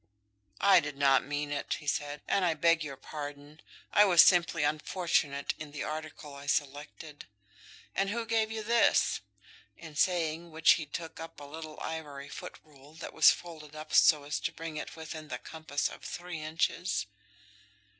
"I did not mean it," he said, "and I beg your pardon. I was simply unfortunate in the article I selected. And who gave you this?" In saying which he took up a little ivory foot rule that was folded up so as to bring it within the compass of three inches.